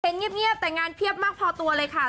เงียบแต่งานเพียบมากพอตัวเลยค่ะ